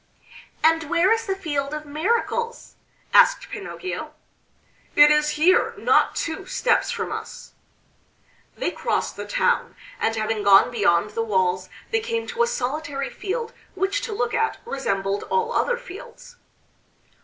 "And where is the Field of Miracles?" asked Pinocchio. "It is here, not two steps from us." They crossed the town, and having gone beyond the walls they came to a solitary field which to look at resembled all other fields.